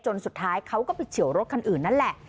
สุดท้ายเขาก็ไปเฉียวรถคันอื่นนั่นแหละ